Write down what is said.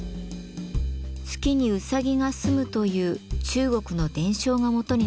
月にうさぎがすむという中国の伝承が元になっています。